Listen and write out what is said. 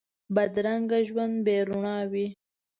بدرنګه ژوند بې روڼا وي